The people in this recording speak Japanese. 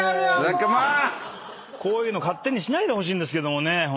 こういうの勝手にしないでほしいんですけどもね。